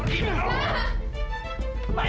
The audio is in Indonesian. jangan bapak jatuh pak